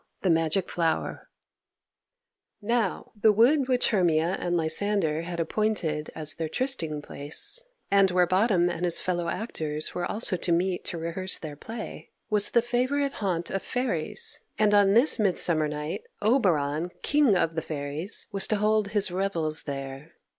The Magic Flower Now, the wood which Hermia and Lysander had appointed as their trysting place, and where Bottom and his fellow actors were also to meet to rehearse their play, was the favourite haunt of fairies, and on this Midsummer Night Oberon, King of the Fairies, was to hold his revels there.